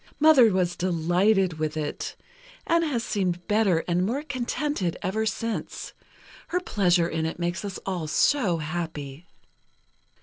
Mother was delighted with it, and has seemed better and more contented ever since. Her pleasure in it makes us all so happy."